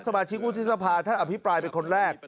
สมาชิกวุฒิสภาท่านอภิปรายเป็นคนแรก